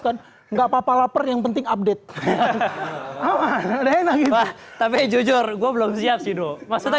kan enggak papa lapar yang penting update enak tapi jujur gua belum siap hidup maksudnya